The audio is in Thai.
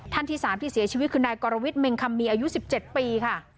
ที่๓ที่เสียชีวิตคือนายกรวิทยเมงคำมีอายุ๑๗ปีค่ะ